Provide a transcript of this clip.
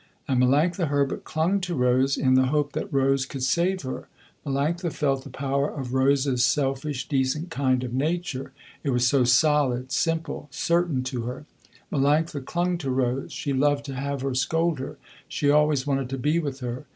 And Melanctha Herbert clung to Rose in the hope that Rose could save her. Melanctha felt the power of Rose's selfish, decent kind of nature. It was so solid, simple, certain to her. Melanctha clung to Rose, she loved to have her scold her, she always wanted to be with her.